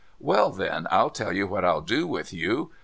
A\'ell, then, I'll tell you what I'll do with you.